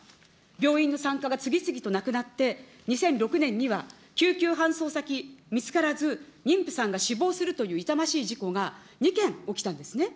病院の産科が次々となくなって、２００６年には救急搬送先見つからず、妊婦さんが死亡するという痛ましい事故が２件起きたんですね。